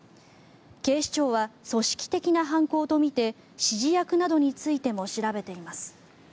警視庁は組織的な犯行とみて指示役などについても調べています。